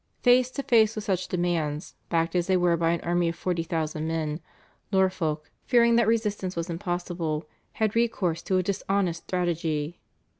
Face to face with such demands, backed as they were by an army of 40,000 men, Norfolk, fearing that resistance was impossible, had recourse to a dishonest strategy.